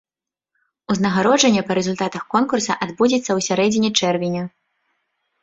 Узнагароджанне па рэзультатах конкурса адбудзецца ў сярэдзіне чэрвеня.